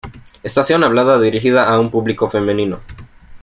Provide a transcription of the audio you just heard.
Estación hablada dirigida a un público femenino.